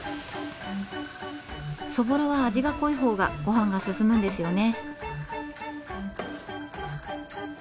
そぼろは味が濃い方がごはんが進むんですよね。